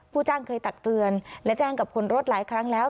จ้างเคยตักเตือนและแจ้งกับคนรถหลายครั้งแล้ว